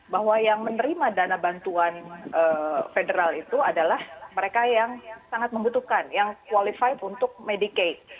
bahwa yang menerima dana bantuan federal itu adalah mereka yang sangat membutuhkan yang qualified untuk medicate